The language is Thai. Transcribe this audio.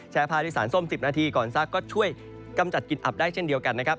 ผ้าด้วยสารส้ม๑๐นาทีก่อนซักก็ช่วยกำจัดกลิ่นอับได้เช่นเดียวกันนะครับ